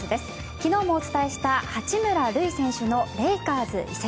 昨日もお伝えした八村塁選手のレイカーズ移籍。